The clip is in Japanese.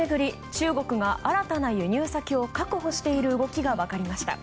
中国が新たな輸入先を確保している動きが分かりました。